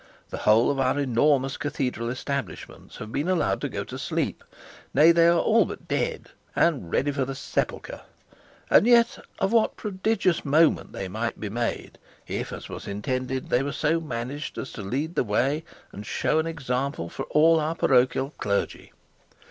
The whole of our enormous cathedral establishments have been allowed to go to sleep, nay, they are all but dead and ready for the sepulchre! And yet of what prodigious moment they might be made, if, as we intend, they were so managed as to lead the way and show an example for all our parochial clergy!